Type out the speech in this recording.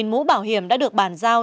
một mũ bảo hiểm đã được bàn giao